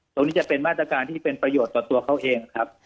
จะเป็นมาตรการที่เป็นประโยชน์ต่อตัวเขาเองครับ